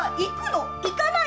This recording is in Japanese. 行かないの？